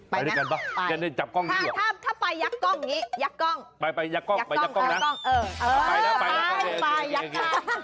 ไปนะไปถ้าไปยักษ์กล้องอย่างนี้ยักษ์กล้องยักษ์กล้องเออไปแล้วไปยักษ์กล้อง